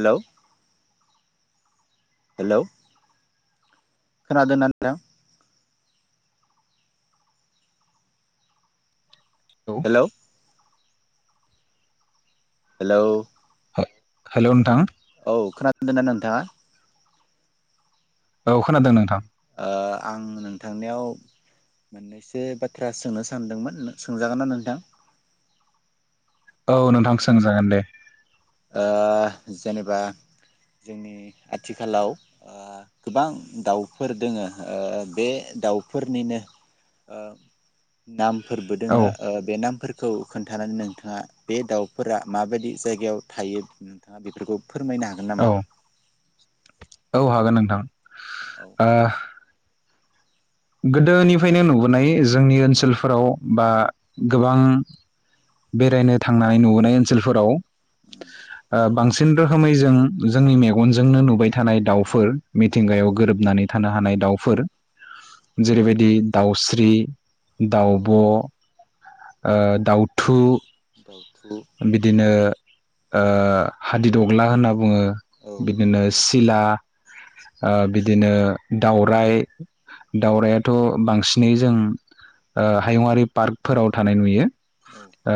हेल। Hello खोनादोंना नोंथां। औ हेल' हेलौ। हेल' नोंथां। औ खोनादोंना नोंथाङा। औ खोनादों नोंथां। ओ आं नोंथांनियाव एसे बाथ्रा सोंनो सानदोंमोन सोंजागोन ना नोंथां। औ नोंथां सोंजागोन दे। ओ जेनेबा जोंनि आथिखालाव गोबां दाउफोर दोङो ओ बे दाउफोरनिनो ओ। नामफोरबो औ दोङो ओ बे नामफोरखौ। खोन्थानानै नोंथाङा बे दाउफोरा माबायदि जायगायाव। थायो नोंथाङा बेफोरखौ। फोरमायनो हागोन औ नामा। औ हागोन नोंथां। औ ओ। गोदोनिफ्रायनो नुबोनाय जोंनि ओनसोलफोराव बा गोबां। बेरायनो थांनानै नुबोनाय ओनसोलफोराव। ओ बांसिन रोखोमै जों जोंनि मेगनजोंनो नुबाय थानाय दाउफोर। मिथिंगायाव गोरोबनानै। थानो हानाय दाउफोर जेरैबायदि दाउस्रि औ दाउब ओ दाउ। थु। थु। बिदिनो ओ हादिदग्ला होनना बुङो औ बिदिनो सिला ओ बिदिनो दावराय दावरायथ बांसिनै जों हायुङारि पार्कफोराव थानाय नुयो। औ ओ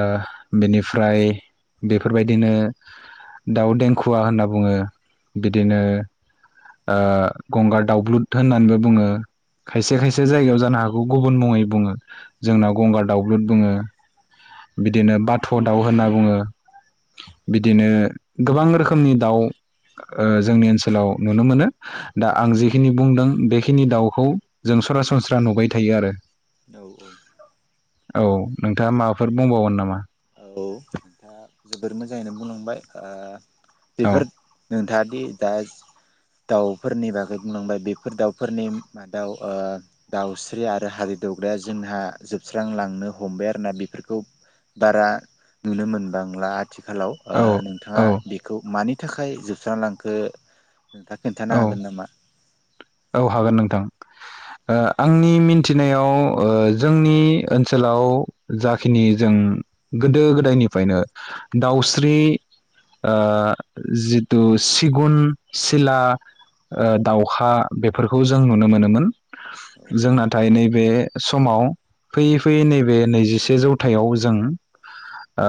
बेनिफ्राय बेफोरबायदिनो दाउ देंखुवा होनना बुङो बिदिनो ओ गंगार दावउब्लुद होननानैबो बुङो खायसे खायसे जायगायाव जानो हागौखौ गुबुन मुङै बुङो जोंनाव गंगार दावउब्लुद बुङो। ओ बिदिनो बाथ दाउ होनना बुङो बिदिनो गोबां रोखोमनि दाउ ओ जोंनि ओनसोलाव नुनो मोनो दा आं जिखिनि बुंदों बेखिनि दाउखौ जों सरासनस्रा नुबाय थायो आरो। औ औ। औ नोंथाङा माबा। फोर बुंबावगोन नामा। औ नोंथाङा जोबोर मोजाङैनो बुंलांबाय ओ। औ बेफोर नोंथाङादि दा। दाउफोरनि बागै बुंलांबाय बेफोर दाउफोरनि मादाव ओ दाउस्रि आरो हारि दावग्राया जोंहा जोबस्रांलांनो हमबाय आरोना बेफोरखौ बारा। नुनो मोनबांला। आथिखालाव ओ औ नोंथाङा औ बेखौ मानि। थाखाय जोबस्रां लांखो। नोंथाङा खोनन्थानो औ हागोन नामा। औ हागोन नोंथां ओ आंनि मिन्थिनायाव ओ जोंनि ओनसोलाव जाखिनि जों गोदो गोदायनिफ्रायनो दाउस्रि ओ जिथु सिगुन सिला दाउखा। बेफोरखौ जों नुनो मोनोमोन औ जों नाथाय नैबे समाव फैयै फैयै नैबे नैजिसे जौथायाव जों ओ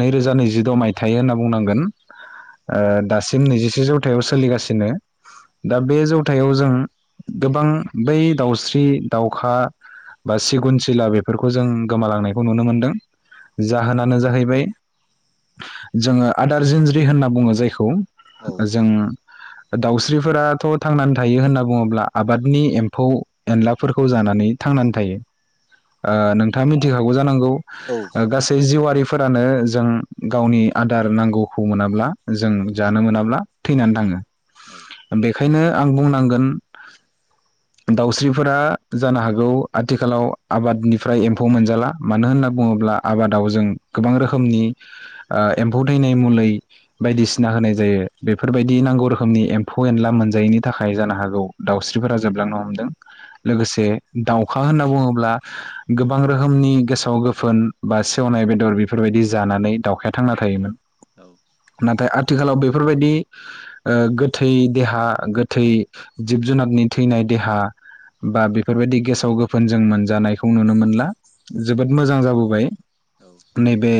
नैरोजा नैजिद मायथाइ होनना बुंनांगोन ओ दासिम नैजिसे जौथायाव सोलिगासिनो दा बे जौथायाव। जों गोबां बै दावस्रि दावखा बा सिगुन सिला बेफोरखौ जों गोमालांनायखौ नुनो मोन्दों जाहोनानो जाहैबाय जोङो आदार जिनज्रि होननानै बुङो जायखौ औ जों दावस्रिफोराथ थांनानै। थायो होन्ना बुङोब्ला आबादनि एम्फौ एनलाफोरखौ जानानै थांनानै थायो नोंथाङा ओ मिथिखागौ जानांगौ औ ओ गासै जिउआ रिफोरानो जों गावनि आदार नांगौखौ मोनाब्ला जों जानो मोनाब्ला थैनानै थाङो औ बेखायनो - आं बुंनांगोन दाउस्रिफोरा जानो हागौ आथिखालाव आबादनिफ्राय एम्फौ मोनजाला मानो होनना बुङोब्ला आबादाव जों गोबां रोखोमनि एम्फौ थैनाय मुलि बायदिसिना होनाय जायो बेफोरबायदि नांगौ रोखोमनि एम्फौ एनला मोनजायैनि थाखाय जानो हागौ दाउस्रिफोरा जोबलांनो हमदों लोगोसे दाउखा होनना बुङोब्ला गोबां रोखोमनि गोसोआव गोफोन बा सेवनाय बेदर बेफोरबायदि जानानै दाउखाया थांना थायोमोन। औ नाथाय आथिखालाव बे फोरबायदि ओ गोथै देहा गो थै जिब जुनारनि थैनाय देहा बा बेफोरबायदि गेसाव गोफोन जों मोनजानायखौ नुनो मोनला जोबोद मोजां जाबोबाय। नै बे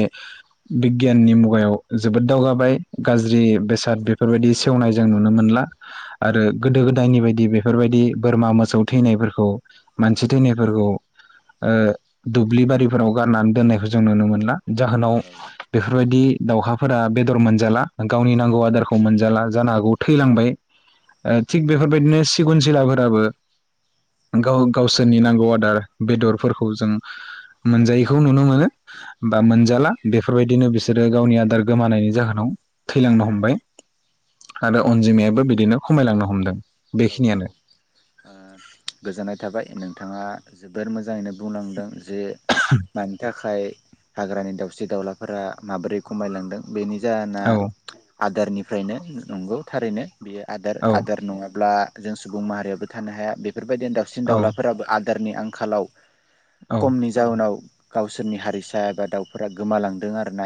बिगियाननि मुगायाव जोबोद दावगाबाय गाज्रि बेसाद बेफोरबायदि सेवनाय जों नुनो मोनला। आरो गोदो गोदायनि बायदि बेफोरबायदि बोरमा मोसौ थैनायफोरखौ मानसि थैनायफोरखौ ओ दुब्लि बारिफोराव गारनानै दोननायखौ जों नुनो मोनला। जाहोनाव बेफोर बायदि दाउखाफोरा बेदर मोनजाला गावनि नांगौ आदारखौ मोनजाला जानो हागौ थैलांबाय। ओ थिग बेफोरबायदिनो सिगुन जिलाफोराबो गाव गावसोरनि नांगौ आदार बेदरफोरखौ जों मोनजायैखौ नुनो मोनो बा मोनजाला बेफोरबायदिनो बिसोरो गावनि आदार गोमानायनि जाहोनाव थैलांनो हमबाय। आरो अनजिमायाबो बिदिनो खमायलांनो हमदों। औ औ बेखिनियानो गोजोननाय थाबाय नों थाङा जोबोर मोजाङैनो बुंलांदों जे मानि थाखाय हाग्रानि दाउ सिन दाउलाफोरा माबोरै खमायलांदों। बेनि जाहोना औ आदारनिफ्रायनो नंगौ थारैनो। बेयो आदार औ आदार नङा ब्ला जों सुबुं माहारियाबो थानो हाया बे फोरबायदिनो दाउसिन औ दावलाफोराबो आ दारनि आंखालाव औ कमनि जाउनाव गावसोरनि हारिसा एबा दाउफोरा गोमालांदों आरो ना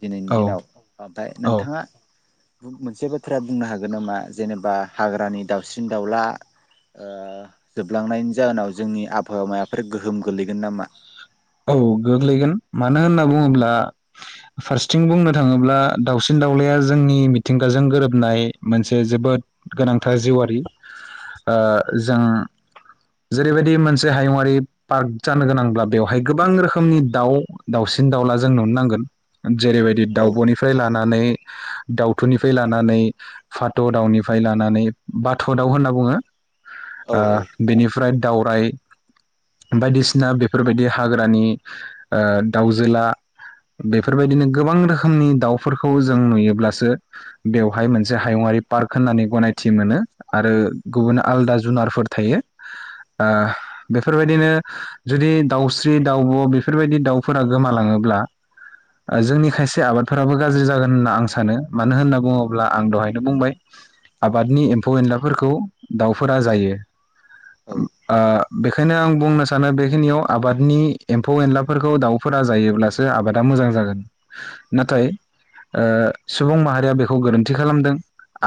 दिनैनि औ दिनाव ओमफाय औ नोंथाङा मोनसे बाथ्राया बुंनो हागोन नामा जेनेबा हाग्रानि दाउस्रिन दाउला ओ जोबलांनायनि जाहोनाव जोंनि आबहावामायाफोर गोहोम गोलैगोन नामा? औ गोग्लैगोन मानो होनना बुङोब्ला फारसेथिं बुंनो थाङोब्ला दावसिन दाउलाया जोंनि मिथिंगाजों गोरोबनाय मोनसे जोबोद गोनांथार जिउआरि ओ जों जेरैबायदि मोनसे हायुङरारि पार्क जानो गोनांब्ला बेव हाय गोबां रोखोमनि दाउ दाउसिन दाउला जों नुनो नांगोन। जेरै बायदि औ दाउबनिफ्राय ला लानानै दाउथुनिफ्राय लानानै भात' दाउनिफ्राय लानानै बाथ दाउ होनना बुङो। औ ओ बेनि फ्राय दावराइ, बायदिसिना बेफोरबायदि हाग्रानि ओ दाउजोला बेफोरबायदिनो गोबां रोखोमनि दाउफोरखौ जों नुयोब्लासो बेवहाय मोनसे हायुङारि पार्क होननानै गनायथि मोनो आरो गुबुन आलदा जुनारफोर थायो ओ बेफोरबायदिनो जुदि दाउ स्रि दाउब बेफोरबायदि दाउफोरा गोमालाङोब्ला ओ जोंनि खायसे आबादफोराबो गाज्रि जागोन होनना आं सानो मानो होनना बुङोब्ला आं दहायनो बुंबाय आबादनि एम्फौ एनलाफोरखौ दाउफोरा जायो। औ ओ बेखायनो आं बुंनो सानो बेखिनियाव आबाद नि एम्फौ एनलाफोरखौ दाउफोरा जायोब्लासो आबादा मोजां जागोन। नाथाय ओ सुबुं माहारिया बेखौ गोरोन्थि खालामदों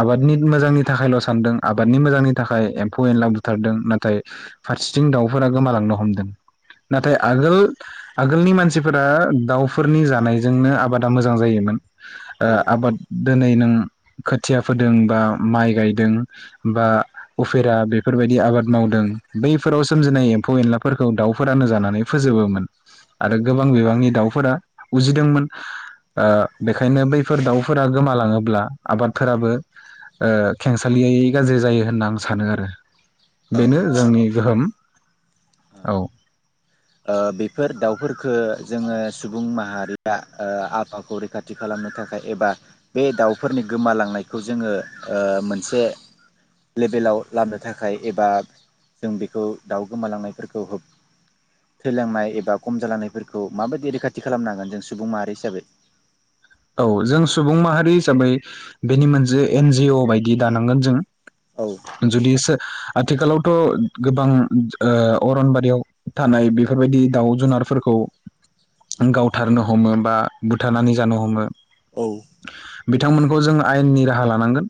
आबादनि मोजांनि थाखायल' सानदों आबादनि मोजांनि थाखाय एम्फौ एनला बुथारदों नाथाय फारसेथिं दाउफोरा गोमालांनो हमदों। नाथाय आगोल आगोलनि मानसिफोरा दाउफोरनि जानायजोंनो आबादा मोजां जायोमोन। ओ आबाद दोनै नों खोथिया फोदों बा माइ गायदों बा उफेरा बेफोरबायदि आबाद मावदों बैफोराव सोमजिनाय एम्फौ एनलाफोरखौ दाउफो फ्रानो जानानै फोजोबोमोन। आरो गोबां बिबांनि दाउ फोरा उजिदोंमोन ओ औ बेखायनो बैफोर दाउफोरा गोमालाङोब्ला आबादफोराबो ओ खेंसालियायै गाज्रि जायो होनना आं सानो आरो। औ बेनो जोंनि गोहोम औ ओ बेफोर दाउफोरखो जोङो सुबुं माहारिया ओ आफावाखौ रैखाथि खालामनो थाखाय एबा बे दाउफोरनि गोमालांनायखौ जोङो ओ मोनसे लेभेलाव लाबोनो थाखाय एबा जों बेखौ दाउ गोमालांनायफोरखौ होब थैलांनाय एबा खम जालांनायफोरखौ माबायदि रैखाथि खालामनांगोन जों सुबुं माहारि हिसाबै? औ जों सुबुं माहारि हिसाबै बेनि मोनसे एन जि अ बायदि दानांगोन जों औ जुलिसो आथिखालावथ' गोबां ओ अरनबारियाव थानाय बेफोरबायदि दाउ जुनारफोरखौ गावथारनो हमो बा बुथारनानै जानो हमो। औ बिथांमोनखौ जों आयेननि राहा लानांगोन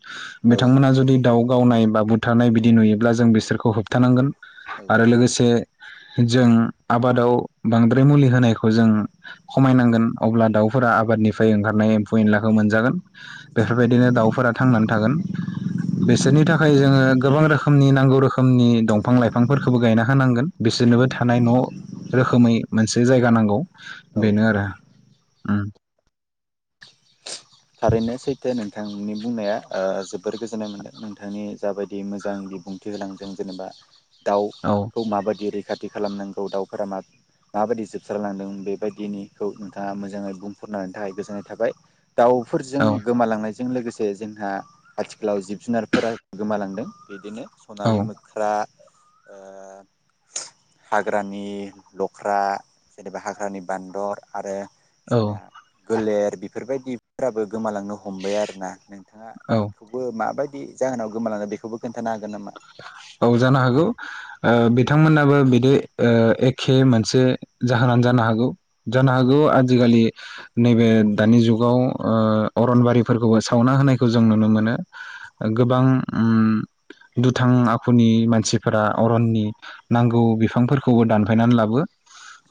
औ बिथांमोना जुदि दाउ गावनाय बा बुथारनाय बिदि नुयोब्ला जों बिसोरखौ होबथानांगोन आरो लोगोसे जों आबादाव बांद्राय मुलि होनायखौ जों खमायनांगोन अब्ला दाउफोरा आबादनि फ्राय ओंखारनाय एम्फौ एनलाखौ मोनजागोन बेफोरबायदिनो दाउफोरा थांनानै थागोन। बिसोरनि थाखाय जोङो गोबां रोखोमनि नांगौ रोखोमनि दंफां लाइफांफोरखौबो गायना होनांगोन बिसोरनोबो थानाय न' रोखोमै मोनसे जायगा नांगौ औ बेनो आरो ओम। थारैनो सैथो नोंथांनि बुंनाया ओ जोबोर गोजोननाय मोनदों नोंथांनि जाबायदि मोजां बिबुंथि होलांदों जेनेबा। दाउ औ खौ माबायदि रैखा खाथि खालामनांगौ दाउफोरा मा माबायदि जोबस्रालांदों बेबायदिनिखौ नोंथाङा मोजाङै बुंफोरना होनाय थाखाय गोजोननाय थाबाय। दाउफोरजों औ गोमालांनाय जों लोगोसे जोंहा आथिखालाव जिब जुनारफोरा गोमालांदों बिदिनो। औ स'नालि मोख्रा ओ हाग्रानि लख्रा जेनेबा हाग्रानि बान्दर आरो औ जोंना गोलेर बिब फोरबायदि फ्राबो गोमालांनो हमबाय आरोना नोंथाङा औ बेखौबो माबायदि दि जाहोनाव गोमालांदों बेखौबो खोनथानो हागोन नामा? औ जानो हागौ ओ बिथांमोनाबो बिदि एखे मोनसे जाहोनानो जानो हागौ। जानो हागौ औ आजिखालि नैबे दानि जुगाव ओ अरनबारिफोरखौबो सावना होनायखौ जों नुनो मोनो। ओ गोबां ओम - दुथां आखुनि मानसिफोरा अरननि नांगौ बिफांफोरखौबो दानफायनानै लाबो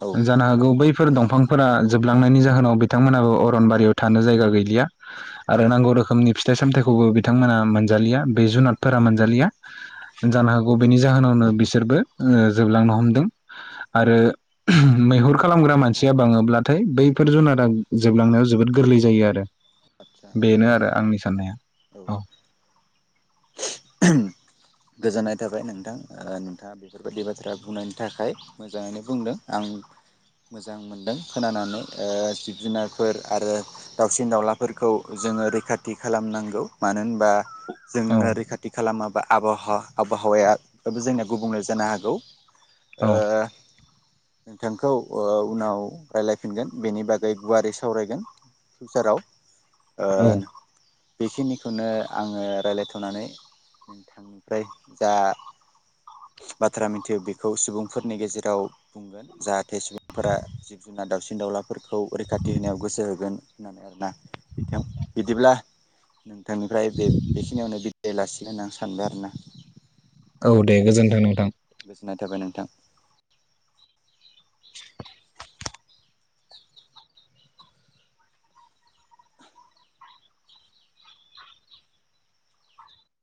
औ [inaudible] जानो हागौ बै बेफोर दंफांफोरा जोबलांनायनि जाहोनाव बिथांमोनाबो अरनबारियाव थानो जायगा गैलिया आरो नांगौ रोखोमनि फिथाइ सामथाइखौबो बिथांमोना मोनजालिया बे जुनादफोरा मोनजालिया जानो हागौ बेनि जाहोनावनो बिसोरबो ओ जोबलांनो हमदों आरो मैहुर खालामग्रा मानसिया बाङोब्लाथाय बैफोर जुनारा जोबलांनायाव जोबोद गोरलै जायो आरो आदसा औ बेनो औ आरो आंनि साननाया औ गोजोननाय थाबाय नोंथां नोंथाङा बेफोरबायदि बाथ्रा बुंनायनि थाखाय मोजाङैनो बुंदों आं मोजां मोनदों खोनानानै ओ जिब जुनारफोर आरो दाउसिन दाउलाफोरखौ जोङो रैखाथि खालामनांगौ मानो होनबा औ जोंनो रैखाथि माबा आबाहावा आबहावायाबो जोंनिया गुबुंले जानो हागौ ओ औ ओ नोंथांखौ उनाव रायलायफिनगोन बेनि बागै गुवारै सावरायगोन फिउचाराव औ ओन बेखिनिखौनो आङो रायलायथनानै नोंथांनिफ्राय जा बाथ्रा मिथियो बेखौ सुबुंफोरनि गेजेराव बुंगोन जाहाथे सुबुंफोरा जिब जुनार दावसिन दाउलाफोरखौ रैखाथि होनायाव गोसो होगोन होननानै आरोना बिथां बिदिब्ला नों बिथांनिफ्राय बे बेखिनियावनो बि लासिग होना सानबाय आरोना औ दे गोजोन्थों नोंथां नाथायबा नोंथां